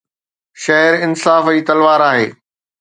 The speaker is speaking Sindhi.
شهر انصاف جي تلوار آهي